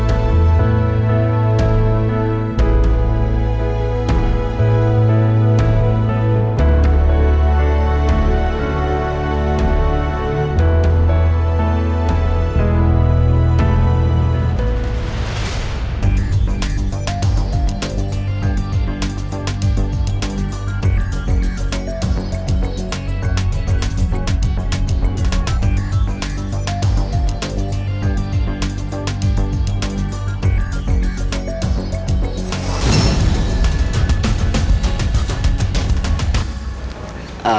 aku mau ke sana